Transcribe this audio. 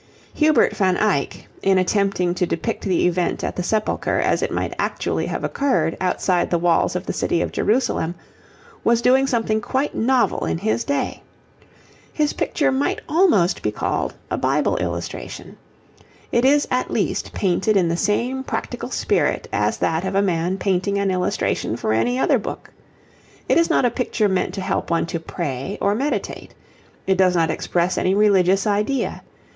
Hubert van Eyck, in attempting to depict the event at the Sepulchre as it might actually have occurred outside the walls of the City of Jerusalem, was doing something quite novel in his day. His picture might almost be called a Bible illustration. It is at least painted in the same practical spirit as that of a man painting an illustration for any other book. It is not a picture meant to help one to pray, or meditate. It does not express any religious idea.